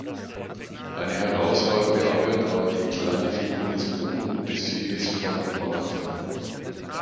Eine herausragende Arbeit war die kleine Figur des Boten des Sieges von Marathon.